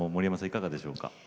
いかがでしょうか？